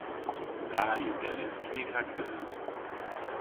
Da yw genes kig ha keus.